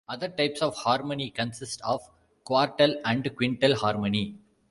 Other types of harmony consist of quartal and quintal harmony.